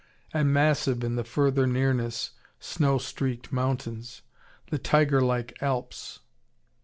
And massive in the further nearness, snow streaked mountains, the tiger like Alps.